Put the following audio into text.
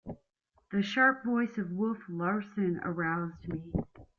The sharp voice of Wolf Larsen aroused me.